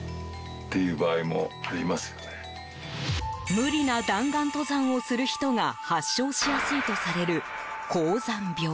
無理な弾丸登山をする人が発症しやすいとされる高山病。